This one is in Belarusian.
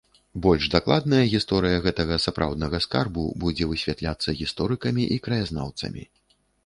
Больш дакладная гісторыя гэтага сапраўднага скарбу будзе высвятляцца гісторыкамі і краязнаўцамі.